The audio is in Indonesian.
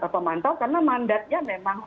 pemantau karena mandatnya memang